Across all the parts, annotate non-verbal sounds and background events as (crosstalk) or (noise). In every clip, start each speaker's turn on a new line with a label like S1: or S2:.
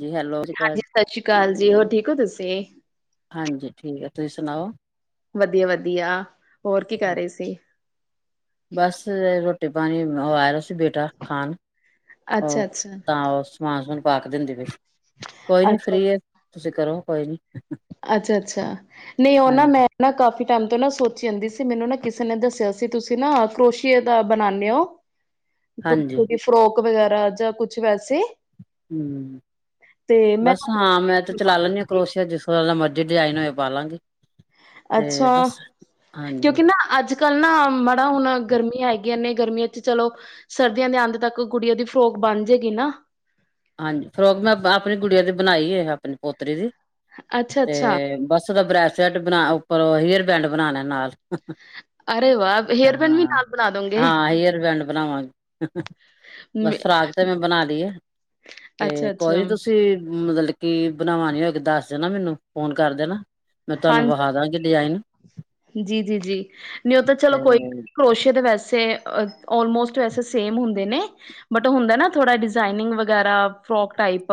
S1: ਜੀ ਹੈਲੋ ਸਤਿ ਸ਼੍ਰੀ
S2: ਹਾਂਜੀ
S1: ਅਕਾਲ
S2: ਸ਼੍ਰੀ ਅਕਾਲ ਜੀ ਹੋਰ ਠੀਕ ਹੋ ਤੁਸੀਂ
S1: ਹਾਂਜੀ ਠੀਕ ਹੈ ਤੁਸੀਂ ਸੁਣਾਓ
S2: ਵਧੀਆ ਵਧੀਆ ਹੋਰ ਕੀ ਕਰ ਰਹੇ ਸੀ।
S1: ਬਸ ਰੋਟੀ ਪਾਣੀ ਉਹ ਆ ਰਿਹਾ ਸੀ ਬੇਟਾ ਖਾਣ
S2: ਅੱਛਾ
S1: ਉਹ
S2: ਅੱਛਾ
S1: ਤਾਂ ਉਸ ਸਮਾਨ ਸਮਾਨ ਪਾ ਕੇ ਦਿੰਦੇ ਪ ਕੋਈ ਨੀ
S2: ਅੱਛਾ
S1: ਫਰੀ ਆ ਤੁਸੀਂ ਕਰੋ ਕੋਈ ਨੀ
S2: ਅੱਛਾ ਅੱਛਾ ਨਹੀਂ ਉਹ ਨਾ
S1: ਹਾਂਜੀ
S2: ਮੈਂ ਨਾ ਕਾਫੀ ਟਾਈਮ ਤੋਂ ਨਾ ਸੋਚੀ ਜਾਂਦੀ ਸੀ ਮੈਨੂੰ ਨਾ ਕਿਸੇ ਨੇ ਦੱਸਿਆ ਸੀ ਤੁਸੀਂ ਨਾ ਕਰੋਸ਼ੀਏ ਦਾ ਬਣਾਉਂਦੇ ਹੋ, ਛੋਟੀ
S1: ਹਾਂਜੀ
S2: ਛੋਟੀ ਫਰੋਕ ਵਗੈਰਾ ਜਾਂ ਕੁੱਛ ਵੈਸੇ
S1: ਹਮ
S2: ਤੇ ਮੈਂ
S1: ਬੱਸ ਹਾਂ ਮੈਂ ਤੇ ਚਲਾ ਲੈਂਣੀ ਹਾਂ ਕਰੋਸ਼ੀਆ ਜਿਸ ਤਰ੍ਹਾਂ ਦਾ ਮਰਜ਼ੀ ਡਿਜ਼ਾਇਨ ਹੋਏ ਪਾਲਾਂਗੀ
S2: ਅੱਛਾ
S1: ਹਾਂਜੀ
S2: ਕਿਉਂਕਿ ਨਾ ਅੱਜ ਕੱਲ੍ਹ ਨਾ ਮਾੜਾ ਹੁਣ ਗਰਮੀਆਂ ਹੈਗੀਆਂ ਨੇ ਗਰਮੀਆਂ ਚ ਚਲੋ ਸਰਦੀਆਂ ਦੇ ਅੰਤ ਤੱਕ ਕੁੜੀਆਂ ਦੀ ਫਰੋਕ ਬਣ ਜਾਏਗੀ ਨਾ
S1: ਹਾਂਜੀ ਫਰੋਕ ਮੈਂ ਆਪਣੀ ਗੂੜੀਆਂ ਦੀ ਬਣਾਈ ਹੈ ਆਪਣੀ ਪੋਤਰੀ ਦੀ,
S2: ਅੱਛਾ ਅੱਛਾ
S1: ਤੇ ਬਸਦਾ ਬ੍ਰੈਸਲਟ ਬਣਾ ਉੱਪਰ ਹੇਅਰ ਬੈਂਡ ਬਣਾਣਾ ਨਾਲ
S2: ਅਰੇ ਵਾਹ ਹੇਅਰ ਬੈਂਡ ਵੀ
S1: ਹਾਂ-ਹਾਂ
S2: ਨਾਲ ਬਣਾ ਦੋਗੇ
S1: ਹੇਅਰਬੈਂਡ ਬਣਾਵਾਂਗੇ, ਬਸ ਫਰਾਕ ਤੇ ਮੈਂ ਬਣਾ ਲਈ ਆ
S2: ਅੱਛਾ
S1: ਤੇ ਕੋਈ
S2: ਅੱਛਾ
S1: ਨੀ ਤੁਸੀਂ ਮਤਲਬ ਕੀ ਬਣਾਵ ਨੀ ਹੋ ਦੱਸ ਦਿ ਨਾ ਮੈਨੂੰ ਫੋਨ ਕਰਦੇ ਨਾ, ਮੈਂ ਤੁਹਾਨੂੰ ਵਖਾ ਦਾਂਗੀ ਡਿਜ਼ਾਇਨ
S2: ਜੀ-ਜੀ-ਜੀ ਨਹੀਂ ਉਹ ਤਾਂ ਚਲੋ
S1: ਤੇ
S2: ਕੋਈ ਕਰੋਸ਼ੇ ਦੇ ਵੈਸੇ ਅਲਮੋਸਟ ਵੈਸੇ ਸੇਮ ਹੁੰਦੇ ਨੇ। ਬਟ ਉਹ ਹੁੰਦਾ ਨਾ ਥੋੜਾ ਡਿਜ਼ਾਇਨਿੰਗ ਵਗੈਰਾ ਫਰੋਕ ਟਾਈਪ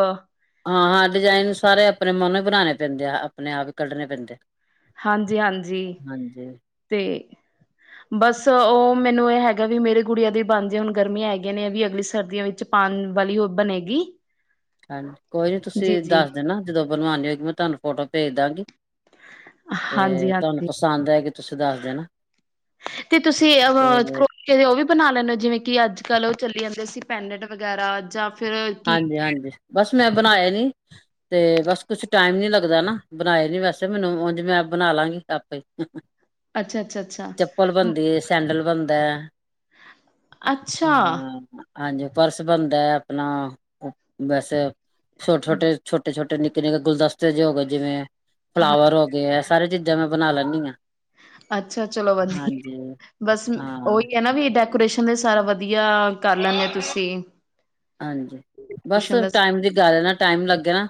S1: ਹਾਂ-ਹਾਂ ਡਿਜ਼ਾਇਨ ਸਾਰੇ ਆਪਣੇ ਮਨੋ ਹੀ ਬਣਾਉਣੇ ਪੈਂਦੇ ਆ ਆਪਣੇ ਆਪ ਹੀ ਕੱਢਣੇ ਪੈਂਦੇ ਆ।
S2: ਹਾਂਜੀ-ਹਾਂਜੀ ਤੇ ਬਸ ਉਹ ਮੈਨੂੰ ਇਹ ਹੈਗਾ ਵੀ ਮੇਰੇ ਗੁੜੀਆਂ ਦੇ ਬਣ ਜੇ ਹੁਣ ਗਰਮੀਆਂ ਹੈਗੀਆਂ ਨੇ ਵੀ ਅਗਲੀ ਸਰਦੀਆਂ ਵਿੱਚ ਪਾਉਣ ਵਾਲੀ ਉਹ ਬਣੇਗੀ
S1: ਹਾਂਜੀ ਕੋਈ ਨੀ ਤੁਸੀਂ
S2: ਜੀ ਜੀ
S1: ਦੱਸ ਦਿਣਾ ਜਦੋਂ ਬਣਵਾਨੀ ਹੋਗੀ ਮੈਂ ਤੁਹਾਨੂੰ ਫੋਟੋ ਭੇਜ ਦਾਂਗੀ ਤੇ
S2: ਹਾਂਜੀ
S1: ਤੁਹਾਨੂੰ
S2: ਹਾਂਜੀ
S1: ਪਸੰਦ ਹੈ ਕਿ ਤੁਸੀਂ ਦੱਸਦੇ ਨਾ
S2: ਤੇ ਤੁਸੀਂ ਕਿ ਉਹ ਵੀ ਬਣਾ ਲੈਂਦੇ ਹੋ ਜਿਵੇਂ ਕਿ ਅੱਜ ਕੱਲ੍ਹ ਉਹ ਚੱਲੀ ਜਾਂਦੇ ਸੀ। ਪੈਨਟ ਵਗੈਰਾ ਜਾਂ ਫਿਰ ਕੀ
S1: ਹਾਂਜੀ ਹਾਂਜੀ ਬੱਸ ਮੈਂ ਬਣਾਇਆ ਨਹੀਂ, ਤੇ ਬੱਸ ਕੁਛ ਟਾਈਮ ਨੀ ਲੱਗਦਾ ਨਾ ਬਣਾਏ ਨੀ ਵੈਸੇ ਮੈਨੂੰ ਉਂਝ ਮੈਂ ਬਣਾ ਲਾਂਗੀ ਆਪੇ (inaudible)
S2: ਅੱਛਾ ਅੱਛਾ ਅੱਛਾ
S1: ਚਪਲ ਬਣਦੀ ਸੈਂਡਲ ਬਣਦਾ ਐ।
S2: ਅੱਛਾ,
S1: ਹਾਂਜੀ ਪਰਸ ਬਣਦਾ ਆਪਣਾ ਵੈਸੇ ਛੋਟੇ-ਛੋਟੇ-ਛੋਟੇ-ਛੋ ਨਿੱਕੇ -ਨਿੱਕੇ ਗੁਲਦਸਤੇ ਜ ਹੋ ਗਏ ਜਿਵੇਂ
S2: ਹਾਂ
S1: ਫਲਾਵਰ ਹੋ ਗਏ ਆ ਸਾਰੇ ਚੀਜ਼ਾਂ ਮੈਂ ਬਣਾ ਲੈਂਦੀ ਆਂ।
S2: ਅੱਛਾ ਚਲੋ ਵਧੀਆ ਬਸ
S1: ਹਾਂ,
S2: ਉਹੀ ਹੈ ਨਾ ਵੀ ਏਦਾਂ ਪਰੇਸ਼ਨ ਤੇ ਸਾਰਾ ਵਧੀਆ ਕਰ ਲੈਂਦੇ ਤੁਸੀਂ
S1: ਹਾਂਜੀ ਬਸ
S2: ਡੈਕੋਰੇਸ਼ਨ ਦਾ
S1: ਟਾਈਮ ਦੀ ਗੱਲ ਹੈ ਨਾ ਟਾਈਮ ਲੱਗੇ ਨਾ।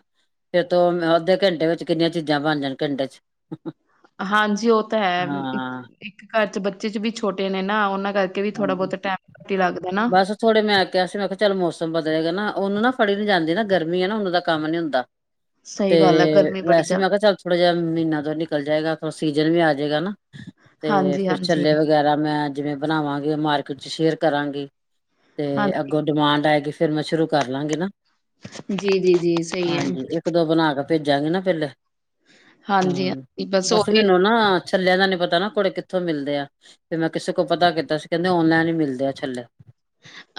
S1: ਫਿਰ ਤੋਂ ਅੱਧੇ ਘੰਟੇ ਵਿੱਚ ਕਿੰਨੀਆਂ ਚੀਜ਼ਾਂ ਬਣ ਜਾਣ ਘੰਟੇ 'ਚ (inaudible)
S2: ਹਾਂਜੀ ਉਹ ਤਾਂ ਹੈ
S1: ਹਾਂ,
S2: ਇੱਕ ਘਰ 'ਚ ਬੱਚੇ ਚ ਵੀ ਛੋਟੇ ਨੇ ਨਾ ਉਹਨਾਂ ਕਰ ਵੀ ਥੋੜਾ
S1: ਹਾਂਜੀ।
S2: ਬਹੁਤ ਟਾਈਮ ਘੱਟ ਈ ਲੱਗਦਾ ਨਾ।
S1: ਬਸ ਥੋੜੇ ਮੈਂ ਕਿਹਾ ਸੀ ਮੈਂ ਕਿਹਾ ਚਲ ਮੌਸਮ ਬਦਲੇਗਾ ਨਾ ਉਹਨੂੰ ਨਾ ਫੜੀ ਜਾਂਦੀ ਨਾ ਗਰਮੀ ਹੈ ਨਾ ਉਹਨੂੰ ਦਾ ਕੰਮ ਨੀ ਹੁੰਦਾ। ਤੇ
S2: ਸਹੀ ਗੱਲ ਹੈ ਗਰਮੀ ਬੜੀ
S1: ਵੈਸੇ ਮੈਂ
S2: ਜ਼ਿਆਦਾ
S1: ਕਿਹਾ ਚੱਲ ਥੋੜਾ ਜਿਹਾ ਮਹੀਨਾ ਤੋਂ ਨਿਕਲ ਜਾਏਗਾ ਤਾਂ ਸੀਜਨ ਵੀ ਆ ਜਾਏਗਾ ਨਾ। ਤੇ
S2: ਹਾਂਜੀ,
S1: ਫਿਰ
S2: ਹਾਂਜੀ,
S1: ਛੱਲੇ ਵਗੈਰਾ ਮੈਂ ਜਿਵੇਂ ਬਣਾਵਾਂਗੀ ਮਾਰਕੀਟ 'ਚ ਸ਼ੇਅਰ ਕਰਾਂਗੀ। ਤੇ
S2: ਹਾਂਜੀ।
S1: ਅੱਗੋਂ ਡਿਮਾਂਡ ਆਏਗੀ ਫੇਰ ਮੈਂ ਸ਼ੁਰੂ ਕਰ ਲਾਂਗੀ ਨਾ।
S2: ਜੀ-ਜੀ-ਜੀ ਸਹੀ ਹੈ।
S1: ਹਾਂਜੀ ਇੱਕ ਬਣਾ ਕੇ ਭੇਜਾਂਗੇ ਨਾ ਪਹਿਲੇ
S2: ਹਾਂਜੀ,
S1: ਹੂੰ
S2: ਹਾਂਜੀ
S1: ਬਸ
S2: ਉਹੀ
S1: ਮੈਨੂੰ ਨਾ ਛੱਲਿਆਂ ਦਾ ਨੀ ਪਤਾ ਨਾ ਥੋੜੇ ਕਿੱਥੋਂ ਮਿਲਦੇ ਆ ਫ ਮੈਂ ਕਿਸੇ ਕੋਲ ਪਤਾ ਕੀਤਾ ਕੀਤਾ ਸੀ ਕਹਿੰਦੇ ਓਨਲਾਈਨ ਹੀ ਮਿਲਦੇ ਆ ਛੱਲੇ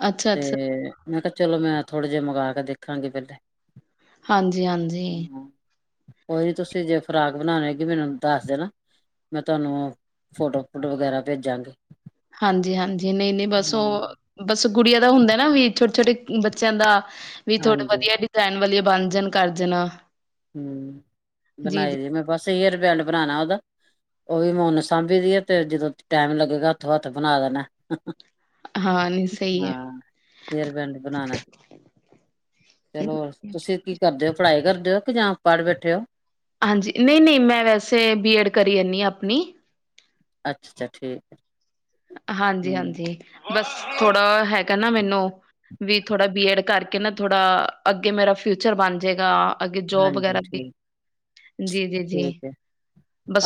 S2: ਅੱਛਾ,
S1: ਤੇ
S2: ਅੱਛਾ
S1: ਮੈਂ ਕਿਹਾ ਚਲੋ ਮੈਂ ਥੋੜੇ ਜਿਹੇ ਮੰਗ ਆਕੇ ਦੇਖਾਂਗੀ ਪਹਿਲੇ
S2: ਹਾਂਜੀ, ਹਾਂਜੀ।
S1: ਹੂੰ ਕੋਈ ਨੀ ਤੁਸੀਂ ਜੇ ਫ਼ਰਾਕ ਬਣਾਉਣੇ ਹੋਏਗੀ ਮੈਨੂੰ ਦੱਸ ਦੇਣਾ। ਮੈਂ ਤੁਹਾਨੂੰ ਫੋਟੋ-ਫੋਟੋ ਵਗੈਰਾ ਭੇਜਾਂਗੀ।
S2: ਹਾਂਜੀ-ਹਾਂਜੀ ਨਹੀਂ-ਨਹੀਂ ਬਸ ਉਹ ਬਸ ਗੁੜੀਆਂ ਦਾ ਹੁੰਦਾ ਨਾ ਵੀ ਛੋਟੇ- ਛੋਟੇ ਬੱਚਿਆਂ ਦਾ ਵੀ ਥੋੜੇ
S1: ਹਾਂਜੀ
S2: ਵਧੀਆ ਡਿਜ਼ਾਇਨ ਵਾਲੀਆ ਬਣ ਜਾਣ ਕਰ ਜਾਣਾ।
S1: ਹੂੰ
S2: ਜੀ-ਜੀ
S1: ਬਣਾਈ ਦੀ ਮੈਂ ਬਸ ਹੈਅਰਬੈਂਡ ਬਣਾਣਾ ਉਹਦਾ ਉਹ ਵੀ ਮੈਂ ਉਨ ਸਾਂਭੀ ਦੀ ਆਏ ਤੇ ਜਦੋਂ ਟੈਮ ਲੱਗੇਗਾ ਹੱਥੋਂ ਹੱਥ ਬਣਾ ਦੇਣਾ ਏ।
S2: ਹਾਂ ਨਈ
S1: (inaudible)
S2: ਸਈ ਐ।
S1: ਹਾਂ ਹੇਅਰਬੈਂਡ ਬਣਾਉਣਾ ਚਲੋ ਤੁਸੀਂ ਕੀ ਕਰਦੇ ਹੋ ਪੜ੍ਹਾਈ ਕਰਦੇ ਹੋ। ਕਿ ਜਾਂ ਪੜ੍ਹ ਬੈਠੇ ਹੋ।
S2: ਹਾਂਜੀ ਨਹੀਂ-ਨਹੀਂ ਮੈਂ ਵੈਸੇ ਬੀ ਐਡ ਕਰੀ ਆਦੀ ਹਾਂ ਆਪਣੀ
S1: ਅੱਛਾ-ਅੱਛਾ ਠੀਕ ਏ।
S2: ਹਾਂਜੀ- ਹਾਂਜੀ ਬਸ ਥੋੜਾ ਹੈਗਾ ਨਾ ਮੈਨੂੰ ਵੀ ਥੋੜਾ ਬੀ ਐਡ ਕਰਕੇ ਨਾ ਥੋੜਾ ਅੱਗੇ ਮੇਰਾ ਫਿਊਚਰ ਬਣ ਜਾਏਗਾ। ਅੱਗੇ ਜੋਬ ਵਗੈਰਾ
S1: ਹਾਂਜੀ
S2: ਵੀ
S1: ਠੀਕ
S2: ਜੀ।
S1: ਠੀਕ ਹੈ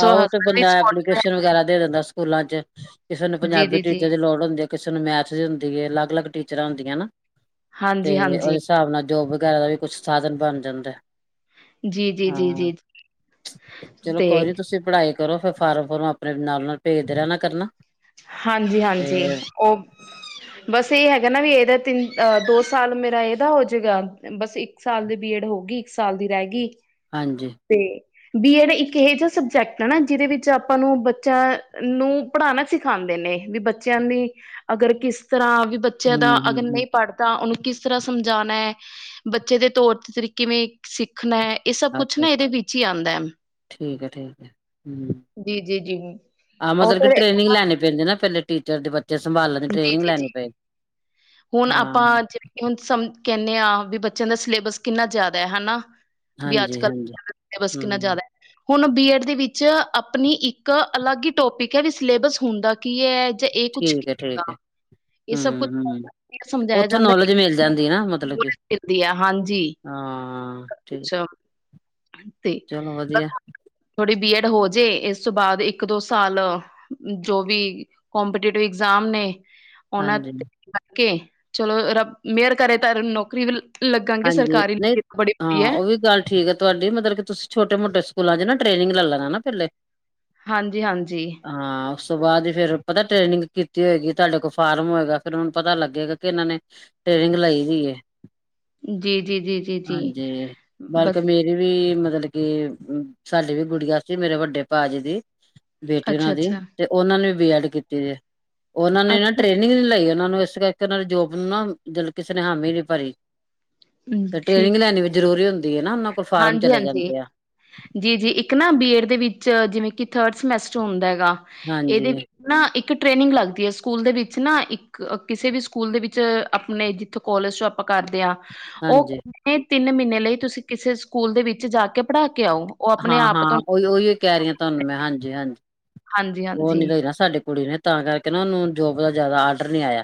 S1: ਆਹੋ ਤੇ
S2: ਵੀ
S1: ਬੰਦਾ
S2: ਸਪੋਰਟਿਵ
S1: ਐਪਲੀਕੇਸ਼ਨ ਵਗੈਰਾ ਦੇ ਦਿੰਦਾ। ਸਕੂਲਾਂ 'ਚ ਕਿਸੇ ਨੂੰ ਪੰਜਾਬੀ
S2: ਜੀ-ਜੀ-ਜੀ।
S1: ਟੀਚਰ ਦੀ ਲੋੜ ਹੁੰਦੀ। ਕਿਸੇ ਨੂੰ ਮੈਥ ਦੀ ਹੁੰਦੀ ਹੈ ਅਲੱਗ -ਅਲੱਗ ਟੀਚਰਾਂ ਹੁੰਦੀਆਂ ਨਾ। ਤੇ ਉਹਦੇ
S2: ਹਾਂਜੀ-ਹਾਂਜੀ,
S1: ਹਿਸਾਬ ਨਾਲ ਜੋਬ ਵਗੈਰਾ ਦਾ ਵੀ ਕੁਛ ਸਾਧਨ ਬਣ ਜਾਂਦਾ।
S2: ਜੀ ਜੀ ਜੀ
S1: ਹਾਂ
S2: ਜੀ ਜ
S1: ਚਲੋ ਕੋਈ ਨੀ ਤੁਸੀਂ ਪੜ੍ਹਾਈ ਕਰੋ ਫਿਰ ਫਾਰਮ ਫਰਮ ਆਪਣੇ ਨਾਲ ਨਾਲ ਭੇਜਦੇ ਰਹਿਣਾ ਕਰਨਾ
S2: ਹਾਂਜੀ
S1: ਤੇ
S2: ਹਾਂਜੀ ਉਹ ਬਸ ਇਹ ਹੈਗਾ ਨਾ ਵੀ ਇਹਦਾ ਤਿੰਨ ਅਹ ਦੋ ਸਾਲ ਮੇਰਾ ਇਹਦਾ ਹੋਜੂਗਾ। ਬਸ ਇੱਕ ਸਾਲ ਦੀ ਬੀ ਏਡ ਹੋ ਗਈ ਇੱਕ ਸਾਲ ਦੀ ਰਹਿ ਗਈ।
S1: ਹਾਂਜੀ
S2: ਤੇ ਬੀ ਐਡ ਇੱਕ ਇਹ ਜਿਹਾ ਸਬਜੈਕਟ ਹੈ ਨਾ ਜਿਹਦੇ ਵਿੱਚ ਆਪਾਂ ਨੂੰ ਬੱਚਿਆਂ ਨੂੰ ਪੜ੍ਹਾਣਾ ਸਿੱਖ ਖਾਂਦੇ ਨੇ ਵੀ ਬੱਚਿਆਂ ਦੀ ਅਗਰ ਕਿਸ ਤਰ੍ਹਾਂ ਵੀ ਬੱਚਿਆਂ
S1: ਹਮ
S2: ਦਾ
S1: ਹਮ
S2: ਅਗਰ
S1: ਹਮ
S2: ਨਹੀਂ ਪੜ੍ਹ ਤਾਂ ਉਹਨੂੰ ਕਿਸ ਤਰ੍ਹਾਂ ਸਮਝਾਣਾ ਹੈ ਬੱਚੇ ਦੇ ਤੌਰ ਤੀਰ ਕਿਵੇਂ ਸਿੱਖਣਾ ਐ। ਇਹ ਸਭ ਕੁਛ
S1: ਅੱਛਾ
S2: ਨਾ
S1: ਅੱਛਾ
S2: ਇਹਦੇ ਵਿੱਚ ਹੀ ਆਂਦਾ।
S1: ਠੀਕ ਹੈ-ਠੀਕ ਹੈ।
S2: ਜੀ ਜੀ ਜੀ
S1: ਆਹ
S2: ਉਹ
S1: ਮਤਲਬ ਕਿ
S2: ਫਿਰ
S1: ਟ੍ਰੇਨਿੰਗ ਲੈਣੀ ਪੈਂਦੇ ਨਾ ਪਹਿਲੇਾਂ ਟੀਚਰ ਦੇ ਬੱਚੇ ਤੇ ਸੰਭਾਲਣ ਦੀ
S2: ਜੀ
S1: ਟ੍ਰੇਨਿੰਗ
S2: ਜੀ ਜੀ
S1: ਲੈਣੀ ਪਈ
S2: ਹੁਣ
S1: ਹਾਂ
S2: ਆਪਾਂ (unintelligible) (inaudible) ਵੀ ਅੱਜ
S1: ਹਾਂਜੀ
S2: ਕੱਲ੍ਹ
S1: ਹਾਂਜੀ
S2: ਸਿਲੇਬਸ ਕਿੰਨਾ
S1: ਹਮ
S2: ਜ਼ਿਆਦਾ ਹੈ। ਹੁਣ ਬੀ ਐਡ ਦੇ ਵਿੱਚ ਆਪਣੀ ਇੱਕ ਅਲੱਗ ਹੀ ਟੋਪਿਕ ਹੈ ਵੀ ਸਿਲੇਬਸ ਹੁੰਦਾ ਕੀ ਹੈ ਜਾਂ ਇਹ ਕੁੱਛ
S1: ਠਕ ਹੈ ਹਮ ਹਮ
S2: ਸਮਝਾਇਆ
S1: ਉੱਥੋਂ
S2: ਜਾਂਦਾ
S1: ਨੌਲੇਜ ਮਿਲ ਜਾਂਦੀ ਨਾ ਮਤਲਬ ਕਿ
S2: ਮਿਲਦੀ ਹੈ ਹਾਂਜੀ
S1: ਹਾਂ ਠੀਕ
S2: ਕੁਛ ਤੇ
S1: ਚਲੋ ਵਧੀਆ
S2: ਥੋੜੀ ਬੀ ਐਡ ਹੋਜੇ ਇਸ ਤੋਂ ਬਾਅਦ ਇੱਕ ਦੋ ਸਾਲ ਜੋ ਵੀ ਕਪੀਟੇਟਿਵ ਐਗਜ਼ਾਮ ਨੇ ਉਹਨਾਂ
S1: ਹਾਂਜੀ
S2: ਤੇ ਲੈ ਕੇ ਚਲੋ ਰ ਮੇਅਰ ਕਰੇ ਤਾਂ ਨੌਕਰੀ ਲੱਗਾਂਗੇ
S1: ਹਾਂਜੀ
S2: ਸਰਕਾਰੀ
S1: ਨਹੀਂ
S2: ਬੜੀ
S1: ਹਾਂ
S2: ਵਧੀਆ
S1: ਉਹ ਵੀ ਗੱਲ ਠੀਕ ਹੈ ਤੁਹਾਡੀ ਮਤਲਬ ਕਿ ਤੁਸੀਂ ਛੋਟੇ ਮੋਟੇ ਸਕੂਲਾਂ ਚ ਨਾ ਟ੍ਰੇਨਿੰਗ ਲੈ ਲੈਣਾ ਨਾ ਪਹਿਲੇ
S2: ਹਾਂਜੀ ਹਾਂਜੀ
S1: ਹਾਂ ਉਸ ਤੋਂ ਬਾਅਦ ਫਰ ਪਤਾ ਟ੍ਰੇਨਿੰਗ ਕੀਤੀ ਹੋਏਗੀ ਤੁਹਾਡੇ ਕੋਲ ਫਾਰਮ ਹੋਏਗਾ ਫਿਰ ਹੁਣ ਪਤਾ ਲੱਗੇਗਾ ਕਿ ਇਹਨਾਂ ਨੇ ਟ੍ਰੇਨਿੰਗ ਲਾਈ ਦੀ
S2: ਜੀ ਜੀ ਜੀ ਜੀ ਜੀ
S1: ਹਾਂਜੀ,
S2: ਬਸ
S1: ਬਲਕਿ ਮੇਰੀ ਵੀ ਮਤਲਬ ਕੀ ਸਾਡੀੇ ਵੀ ਗੁੜੀਆਂ ਸੀ ਮੇਰੇ ਵੱਡੇ ਭਾ ਜੀ ਦੀ ਬੇਟੀ
S2: ਅੱਛਾ,
S1: ਉਹਨਾਂ ਦੀ
S2: ਅੱਛਾ,
S1: ਤੇ ਉਹਨਾਂ ਨੇ ਵੀ ਬੀ ਐਡ ਕੀਤੀ ਹੈ ਉਹਨਾਂ ਨੇ ਨਾ
S2: ਅੱਛਾ
S1: ਟ੍ਰੇਨਿੰਗ ਨੀ ਲਾਈ ਉਹ ਨੂੰ ਇਸ ਕਰਕੇ ਉਹਨਾਂ ਨੇ ਜੋਬ ਨੂੰ ਨਾ ਜ ਕਿਸੇ ਨੇ ਹਾਮੀ ਨ ਭਰੀ ਤੇ
S2: ਠੀਕ
S1: ਟ੍ਰੇਨਿੰਗ ਲੈਣੀ ਵੀ ਜ਼ਰੂਰੀ ਹੁੰਦੀ ਹੈ ਨਾ ਉਹਨਾਂ ਕੋਲ ਫਾਰਮ
S2: ਹਾਂਜੀ
S1: ਚਲੇ
S2: ਹਾਂਜੀ
S1: ਜਾਂਦੇ ਆ
S2: ਜੀ ਜੀ ਇੱਕ ਨਾ ਬੀਏਡ ਦੇ ਵਿੱਚ ਜਿਵੇਂ ਕਿ ਥਰਡ ਸਮੈਸਟਰ ਹੁੰਦਾ ਹੈਗਾ ਇਹਦੇ
S1: ਹਾਂਜੀ,
S2: ਨਾ ਇੱਕ ਟ੍ਰੇਨਿੰਗ ਲੱਗਦੀ ਹੈ ਸਕੂਲ ਦੇ ਵਿੱਚ ਨਾ ਇੱਕ ਕਿਸੇ ਵੀ ਸਕੂਲ ਦੇ ਵਿੱਚ ਆਪਣੇ ਜਿੱਥੋਂ ਕੋਲਜ ' ਆਪਾਂ ਕਰਦੇ ਹਾਂ ਉਹ
S1: ਹਾਂਜੀ।
S2: ਕਹਿੰਦੇ ਨੇ ਤਿੰਨ ਮਹੀਨੇ ਲਈ ਤੁਸੀਂ ਕਿਸੇ ਸਕੂਲ ਦੇ ਵਿੱਚ ਜਾ ਕੇ ਪੜ੍ਹਾ ਕੇ ਆਓ ਉਹ ਆਪਣੇ
S1: ਹਾਂ
S2: ਆਪ
S1: ਹਾਂ
S2: ਤੋਂ
S1: ਉਹੀ ਉਹੀ ਕਹਿ ਰਹੀ ਹਾਂ ਤੁਹਾਨੂੰ ਮੈਂ ਹਾਂਜੀ ਹਾਂਜੀ
S2: ਹਾਂਜੀ,
S1: ਉਹ ਨੀ
S2: ਹਾਂਜੀ
S1: ਲ ਨਾ ਸਾਡੇ ਕੁੜੀ ਨੇ ਤਾਂ ਕਰਕੇ ਨਾ ਉਹਨੂੰ ਜੋਬ ਦਾ ਜ਼ਿਆਦਾ ਆਡਰ ਨੀ ਆਇਆ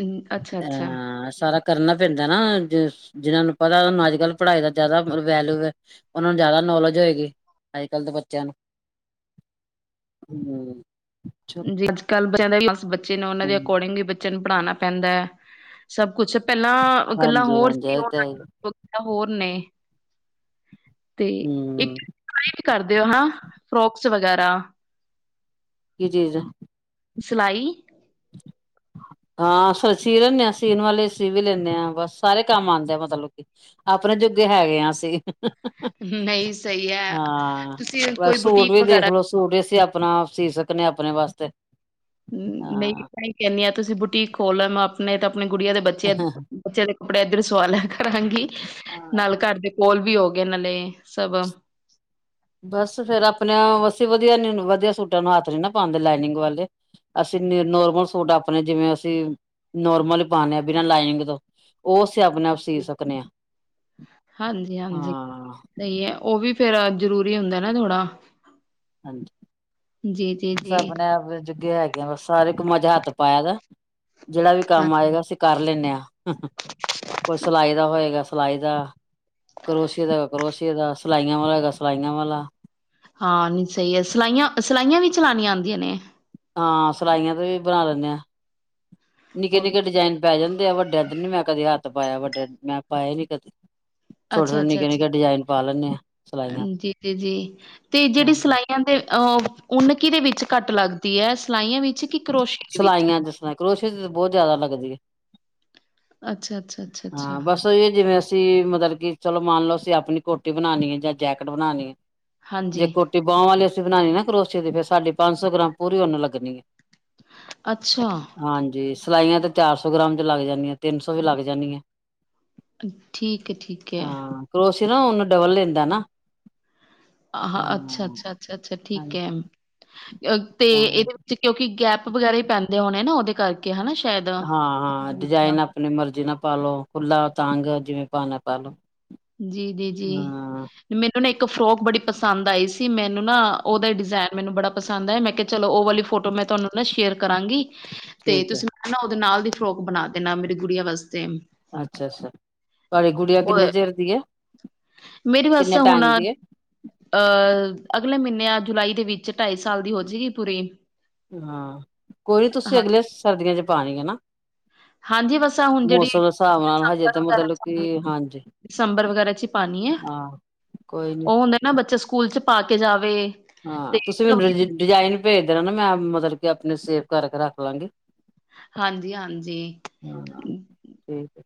S2: ਅਮ, ਅੱਛਾ, ਅੱਛਾ
S1: ਅਹ ਸਕ ਕਰਨਾ ਪੈਂਦਾ ਨਾ ਜ ਜਿਹਨਾਂ ਨੂੰ ਪਤਾੂੰ ਅੱਜ ਕੱਲ ਪੜ੍ਹਾਈ ਦਾ ਜ਼ਿਆਦਾ ਵੈਲੂ ਹੈ ਉਹਨਾਂ ਨੂੰ ਜ਼ਿਆਦਾ ਨੌਲੇਜ ਹੋਏਗੀ ਅੱਜ ਕੱਲ੍ਹ ਦੇ ਬੱਚਿਆਂ ਨੂੰ ਹਮ
S2: ਜੀ ਅੱਜ ਕੱਲ ਬੱਚ ਦੇ ਬੱਚੇ ਨੇ ਉਹਨਾਂ ਦੇ
S1: ਹਮ
S2: ਅਕੋਰਡਿੰਗ ਵੀ ਬੱਚਿਆਂ ਨੂੰ ਪੜ੍ਹਾਉਣਾ ਪੈਂਦਾ ਹੈ ਸਭ ਕੁਛ ਪਹਿਲਾਂ ਗੱਲਾਂ
S1: ਹਾਂਜੀ
S2: ਹੋਰ
S1: ਹਾਂਜੀ
S2: ਸੀੱ
S1: ਇਹ ਤਾਂ ਹੈ
S2: ਹੋਰ ਨੇ ਤੇ
S1: ਹਮ
S2: ਇੱਕਟ ਕਰਦੇ ਹੋ ਹਾਂ ਫਰੋਕਸ ਵਗੈਰਾ
S1: ਕਿ ਜੀਜ਼
S2: ਸਿਲਾਈ,
S1: (unintelligible) ਹਾਂਸੀ ਸੀ ਲੈਂਦੇ, ਹਾਂ ਸੀਣ ਵਾਲੇ ਸੀ ਵੀ ਲੈਂਦੇ ਹਾਂ ਬਸ ਸਾਰੇ ਕੰਮ ਆਉਂਦੇ ਆ ਮਤਲਬ ਕਿ। ਆਪਣੇ ਜੋੁੱਗੇ ਹੈਗੇ ਹਾਂ ਅਸੀਂ
S2: ਨਹੀਂ ਸਹੀ ਹੈ
S1: ਹਾਂ
S2: ਤੁਸੀਂ ਕੋਈ
S1: ਬਸ ਸੂਟ
S2: ਬੁਟੀਕ
S1: ਵੀ
S2: ਵਗੈਰਾ
S1: ਦੇਖਲੋ ਸੂਟ ਅਂ ਆਪਣਾ ਸੀ ਸਕਦੇਾਂ ਆਪਣੇ ਵਾਸਤੇ
S2: ਨਹੀਂ
S1: ਹਾਂ
S2: ਮੈਂ ਹੀ ਕਹਿੰਨੀ ਹਾਂ ਤੁਸੀਂ ਬੁਟੀਕ ਖੋਲ ਆਪਣੇ ਤਾਂ ਆਪਣੇ ਗੁੜੀਆਂ ਦੇ ਬੱਚੇ ਬੱਚੇ ਦੇ ਕੱਪੜੇ ਇਏਧਰ ਸਵਾਲਿਆ ਕਰਾਂਗੀ
S1: ਹਾਂ
S2: ਨਾਲ ਘਰ ਦੇ ਕੋਲ ਵੀ ਹੋ ਗੇਨ ਲ ਸਬ
S1: ਬਸ ਫੇਿਰ ਆਪਣੇ ਵਸੀ ਵਧੀਆ ਨ ਵਧੀਆ ਸੂਟਾਂ ਨੂੰ ਹੱਥ ਨੀ ਨਾ ਪਾਉਂਦੇ ਲਾਈਨਿੰਗ ਵਾਲੇ ਅਸੀਂ ਨੋਰਮਲ ਸੂਟ ਆਪਣੇ ਜਿਵੇਂ ਅਸੀਂ ਨੋਰਮਲ ਹੀ ਪਾਉਦੇ ਹਾਂ ਬਿਨਾਂ ਲਾਈਨਿੰਗ ਤੋਂ ਉਹ ਅਸੀਂ ਆਪਣੇ ਆਪ ਸੀ ਸਕਦੇ ਹਾਂ
S2: ਹਾਂਜੀ ਹਾਂਜੀ
S1: ਹਾਂ
S2: ਸਹੀ ਹੈ ਉਹ ਵੀ ਫੇਰ ਜ਼ਰੂਰੀ ਹੁੰਦਾ ਨਾ ਥੋੜਾ
S1: ਹਾਂਜੀ,
S2: ਜੀ ਜੀ
S1: ਬਸ
S2: ਜੀ
S1: ਆਪਣੇ ਆਪ ਜੁਗੇ ਹੈਗੇ, ਆ ਸਾਰੇ ਕੁ ਮਜਾ ਹੱਥ ਪਾਇਆ ਦਾ। ਜਿਹੜਾ ਵੀ ਕੰਮ
S2: ਹਾਂਜੀ
S1: ਆਏਗਾ, ਅਸੀਂ ਕਰ ਲੈਦੇ ਹਾਂ ਕੋਈ ਸਿਲਾਈ ਦਾ ਹੋਏਗਾ। ਸਿਲਾਈ ਦਾ ਕਰੋਸ਼ਏ ਦਾ ਕਰੋਸ਼ੀਏ ਦਾ ਸਿਲਾਈਆਂ ਵਾਲਾ ਗਾ ਸਿਲਾਈਆਂ ਵਾਲਾ,
S2: ਹਾਂ ਨਹੀਂ ਸਹੀ ਹੈ, ਸਿਲਾਈਆਂ-ਸਿਲਾਈਆਂ ਵੀ ਚਲਾਉਣੀਆਂ ਆਉਂਦੀਆਂ ਨੇ,
S1: ਹਾਂ ਸਿਲਾਈਆਂ ਤੇ ਵੀ ਬਣਾ ਲੈਂਦੇ ਹਾਂ,
S2: ਉਹ ਵੀ
S1: ਨਿੱਕੇ-ਨਿੱਕੇ
S2: ਸਹੀ।
S1: ਡਿਜਾਇਨ। ਪੈ ਜਾਂਦੇ ਆ ਵੱਡੇ ਇੱਧਰ ਨੀ ਮੈਂ ਕਦੇ ਹੱਥ ਪਾਇਆ ਵੱਡੇ ਮੈਂ ਪਾਇਏ ਨੀ ਕਦੇ, ਛੋਟੇ
S2: ਅੱਛਾ,
S1: ਛੋਟੇ
S2: ਅੱਛਾ,
S1: ਨਿੱਕੇ
S2: ਅੱਛਾ,
S1: ਨਿੱਕੇ ਡਿਜ਼ਾਇਨ ਪਾ ਲੈਂਦੇ ਆ ਸਿਲਾਈਆਂ
S2: ਹਾਂਜੀ ਜੀ ਤੇ ਜਿਹੜੀ
S1: ਹਾਂ
S2: ਸਿਲਾਈ ਦੇ ਅਹ ਉੱਨ ਕਿਹਦੇ ਵਿੱਚ ਘੱਟ ਲੱਗਦੀ ਹੈ, ਸਿਲਾਈਆਂ ਵਿੱਚ ਕਿ ਕਰੋਸ਼ੀਏ ਦੇ ਵਿੱਚ
S1: ਸਿਲਾਈਆਂ ਚ ਸਲਾਈ ਕਰੋਸ਼ੀ ਦੀ ਬਹੁਤ ਜਿਆਦਾ ਲੱਗਦੀ ਹੈ।
S2: ਅੱਛਾ, ਅੱਛਾ, ਅੱਛਾ, ਅੱਛਾ।
S1: ਦੱਸੋਏ ਜਿਵੇਂ, ਅਸੀਂ ਮਤਲਬ ਕਿ ਚਲੋ ਮੰਨ ਲਓ, ਅਸੀਂ ਆਪਣੀ ਕੋਟੀ ਬਣਾਉਣੀ ਹੈ, ਜਾਂ ਜੈਕਟ ਬਣਾਉਣੀ ਹੈ। ਜੇ
S2: ਹਾਂਜੀ
S1: ਕੋਟੀ ਬਾਹਹ ਵਾਲੀ ਅਸੀਂ ਬਣਾਉਣੀ ਨਾ ਕਰੋਸੀ ਦੀ ਫੇਿਰ ਸਾਡੀ ਪੰਜ ਸੌ ਗ੍ਰਾਮ ਪੂਰੀ ਉਹਨੂੰ ਲੱਗਣੀ ਹੈ।
S2: ਅੱਛਾ,
S1: ਹਾਂਜੀ ਸਿਲਾਈਆਂ ਤੇ ਚਾਰ ਸੌ ਗ੍ਰਾਮ ਚ ਲੱਗ ਜਾਂਦੀਆ, ਤਿੰਨ ਸੋ ਵੀ ਲੱਗ ਜਾਣੀਆ।
S2: ਠੀਕ ਹੈ ਠੀਕ ਹੈ,
S1: ਕਰੋਸੀਆ ਨਾ ਉਹਨੂੰ ਡਬਲ ਲੈਂਦਾ ਨਾ, ਹਾਂ
S2: ਅੱਛਾ, ਅੱਛਾ, ਅੱਛਾ, ਅੱਛਾ ਠੀਕ
S1: ਹਾਂਜੀ
S2: ਹੈ ਤੇ
S1: ਹਾਂ
S2: ਇਹਦੇ ਕਿਉਂਕਿ ਗੈਪ ਵਗੈਰਾ ਹੀ ਪੈਂਦੇ ਹੋਣੇ, ਨਾ ਉਹਦੇ ਕਰਕੇ ਹਨਾ ਸ਼ਾਇਦ
S1: ਹਾਂ ਹਾਂ
S2: ਤ
S1: ਡਿਜ਼ਾਇਨ ਆਪਣੀ ਮਰਜ਼ੀ ਨਾਲ ਪਾਾਲ ਲੋ ਖੁੱਲਾ ਤੰਗ ਜਿਵੇਂ, ਭਣਾ ਪਾਲੋ।
S2: ਜੀ, ਜੀ,
S1: ਹਾਂ
S2: ਜੀ। ਮੈਨੂੰ ਨਾ ਇੱਕ ਫਰੋਕ ਬੜੀ ਪਸੰਦ ਆਈ ਸੀ, ਮੈਨੂੰ ਨਾ ਉਹਦਾ ਡਿਜ਼ਾਇਨ ਮੈਨੂੰ ਬੜਾ ਪਸੰਦ ਆਇਆ ਮੈਂ ਚਲੋ, ਉਹ ਵਾਲੀ ਫੋਟੋ ਮੈਂ ਤੁਹਾਨੂੰ ਨਾ ਸ਼ੇਅਰ ਕਰਾਂਗੀ। ਤੇ
S1: ਠੀਕ ਹੈ
S2: ਤੁਸੀਂ ਮੈਂ ਨਾ ਉਹਦੇ ਨਾਲ ਦੀ ਫਰੋਕ ਬਣਾ ਦੇਣਾ, ਮੇਰੀ ਗੁੜੀਆਂ ਵਾਸਤੇ,
S1: ਅੱਛਾ, ਅੱਛਾ, ਤੁਹਾਡੀ ਗੁੜੀਆਂ ਕਿੰਨੇ ਚਿਰ ਦੀ ਐ?
S2: ਮੇਰੀ ਵਸ ਹੁਣ, ਅਹ ਅਗਲੇ ਮਹੀਨੇ ਆ ਜੁਲਾਈ ਦੇ ਵਿੱਚ ਢਾਈ ਸਾਲ ਦੀ ਹੋ ਜਾਏਗੀ ਪੂਰੀ,
S1: ਹਾਂ ਕੋਈ ਨੀ ਤੁਸੀਂ
S2: ਹਾਂ,
S1: ਅਗਲੇ ਸਰਦੀਆਂ ਚ ਪਾਉਣੀ ਹੈ ਨਾ,
S2: ਹਾਂਜੀ, ਬਸ ਹੁਣ ਜਿਹੜੀ
S1: ਮੌਸਮ ਦੇ ਹਿਸਾਬ ਨਾਲ ਹਜੇ
S2: ਸੰਬਰ
S1: ਤਾਂ
S2: ਵਗੈਰਾ
S1: ਮਤਲਬ ਕਿ ਹਾਂਜੀ
S2: ਚ ਪਾਣੀ ਹੈ।
S1: ਹਾਂ ਕੋਈ ਨੀ,
S2: ਉਹ ਹੁੰਦੇ ਨਾ ਬੱਚੇ ਸਕੂਲ ਚ ਪਾ ਕੇ ਜਾਵੇ।
S1: ਹਾਂ
S2: ਤੇ
S1: ਤੁਸੀਂ ਮੈਨੂੰ ਡਿਜ਼ਾਇਨ ਭੇਜ ਦੇਣਾ, ਨਾ ਮੈਂ ਮਤਲਬ ਕਿ ਆਪਣੇ ਸੇਵ ਕਰਕੇ ਰੱਖ ਲਵਾਂਗੀ।
S2: ਹਾਂਜੀ, ਹਾਂਜੀ।
S1: ਹਾਂ ਠੀਕ ਹੈ,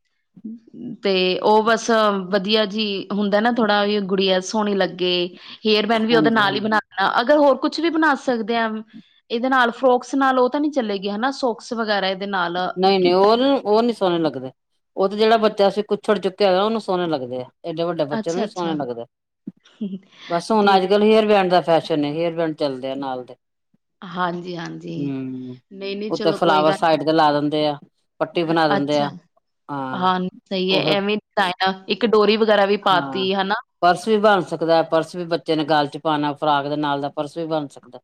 S2: ਤੇ ਉਹ ਬਸ, ਸ ਵਧੀਆ ਜੀ ਹੁੰਦਾ ਨਾ, ਥੋੜ੍ਹਾ ਜਾ ਗੁੜੀਆ ਸੋਹਣੀ ਲੱਗੇ। ਹੇਅਰਮੈਨ ਵੀ ਉਹਦੇ
S1: ਹਾਂਜੀ
S2: ਨਾਲ ਹੀ
S1: ਹਾਂਜੀ
S2: ਬਣਾ ਨਾ ਅਗਰ ਹੋਰ ਕੁਛ ਵੀ ਬਣਾ ਸਕਦੇ ਹਾਂ, ਇਹਦੇ ਨਾਲ ਫਰੋਕਸ ਨਾਲ ਉਹ ਤਾਂ ਨੀ ਚਲੇਗੀ ਹਨਾ ਸੋ ਵਗੈਰਾ ਇਹਦੇ ਨਾਲ, ਕੀ
S1: ਨਹੀਂ-ਨਹੀਂ ਉਹ ਉਹ ਨਹੀਂ ਸੋਹਣੇ ਲੱਗਦੇ। ਉਹ ਤੇ ਜਿਹੜ ਬੱਚਾ ਸੀ, ਜਿਹਨੂੰ ਅਸੀ ਕੁੱਛੜ ਚੁਕਿਆ ਹੋਇਆ ਉਹਨ ਸੋਹਣਾ ਲੱਗਦਾ ਆ। ਏਡੇ ਵੱਡੇ ਬੱਚੇ ਨੂੰ
S2: ਅੱਛਾ
S1: ਨੀ ਸੋਹਣੇ
S2: ਅੱਛਾ
S1: ਲੱਗਦੇ, ਬਸ ਹੁਣ ਅੱਜ
S2: ਠੀਕ ਹੈ
S1: ਕੱਲ੍ਹ ਹੇਅਰ ਬੈਂਡ ਦਾ ਫੈਸ਼ਨ ਹੇਅਰਪੈਂਡ ਚੱਲਦੇ ਆ ਨਾਲ ਦੇ,
S2: ਹਾਂਜੀ ਹਾਂਜੀ
S1: ਹੂੰ
S2: ਨਹੀਂ ਨਹੀਂ
S1: ਉੱਥ
S2: ਚਲੋ ਕੋਈ
S1: ਫਲਾਵਰ
S2: ਗੱਲ
S1: ਸਾਈਡ ਕੇ ਲਾ ਦਿੰਦੇ ਆ। ਪੱਟੀ ਬਣਾ ਦਿੰਦੇ ਆ,
S2: ਅੱਛਾ
S1: ਹਾਂ
S2: ਸਹੀ ਹੈ
S1: ਉਹ
S2: ਐਵੇਂ ਇੱਕ ਡੋਰੀ ਵਗੈਰਾ ਵੀ
S1: ਹਾਂ
S2: ਪਾਤੀ ਹਨਾ।
S1: ਪਰਸ ਵੀ ਬਣ ਸਕਦਾ ਹੈ ਪਰਸ ਵੀ ਬੱਚੇ ਨੇ ਗਾਲ ਚ ਪਾਉਣਾ ਫਰਾਕ ਦੇ ਨਾਲ ਦਾ ਪਰਸ ਵੀ ਬਣ ਸਕਦਾ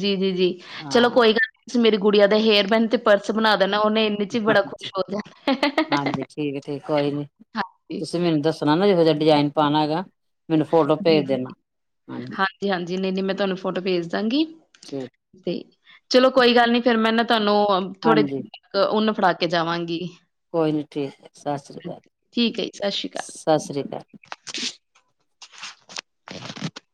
S2: ਜੀ ਜੀ ਜੀ ਚਲੋ
S1: ਹਾਂ
S2: ਕੋਈ ਗੱਲ ਤੁਸੀਂ ਮੇਰੀ ਗੁੜੀਆਂ ਦਾ ਹੇਅਰ ਪੈਨ ਤੇ ਪਰਸ ਬਣਾ ਦੇਣਾ ਉਹਨੇ ਇਹਨੇ ਚ ਵੀ ਬੜਾ ਖੁਸ਼
S1: ਹਾਂਜੀ
S2: ਹੋ ਜਾ
S1: ਹਾਂਜੀ ਠੀਕ ਠੀਕ ਕੋਈ ਨੀ ਤੁਸੀਂ ਮੈਨੂੰ ਦੱਸਣਾ ਨਾ ਇਹਹੋ ਜਿਹਾ ਡਿਜਾਇਨ ਪਾਉਣਾ ਹੈਗਾ ਮੈਨੂੰ ਫੋਟੋ
S2: ਜ
S1: ਭੇਜ ਦੇਣਾ
S2: ਹਾਂਜੀ ਹਾਂਜੀ ਨਹੀਂ ਨਹੀਂ ਮੈਂ ਤੁਹਾਨੂੰ ਫੋਟੋ ਭੇਜ ਦਾਂਗੀ
S1: ਠੀਕ
S2: ਤੇ ਚਲੋ ਕੋਈ ਗੱਲ ਨੀ ਫੇਿਰ ਮੈਂ ਨਾ ਤੁਹਾਨੂੰ ਥੋੜੇ ਜ
S1: ਹਾਂਜੀ
S2: ਤੱਕ ਉਹਨ ਫੜਾ ਕੇ ਜਾਵਾਂਗੀ
S1: ਕੋਈ ਨੀ ਠੀਕ ਹੈ ਸਤਿ ਸ਼੍ਰੀ ਅਕਾਲ
S2: ਠੀਕ ਹੈ ਜੀ ਸਤਿ ਸ਼੍ਰੀ ਅਕਾਲ।
S1: ਸਤਿ ਸ਼੍ਰੀ ਅਕਾਲ
S2: (unintelligible) (inaudible)